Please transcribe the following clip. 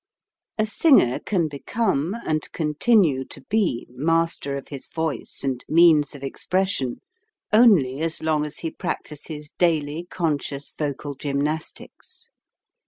A singer can become and continue to be master of his voice and means of expression only as long as he practises daily conscious vocal gymnastics.